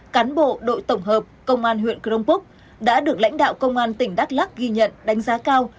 cán bộ đội tổng hợp công an huyện crong phúc đã được lãnh đạo công an tỉnh đắk lắc ghi nhận đánh giá cao